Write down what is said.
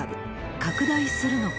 拡大するのか。